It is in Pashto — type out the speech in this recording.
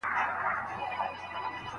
هر څه منم پر شخصيت باندي تېرى نه منم